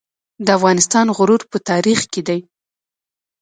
د افغانستان غرور په تاریخ کې دی